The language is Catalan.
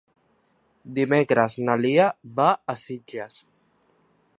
Dimecres na Lia va a Sitges.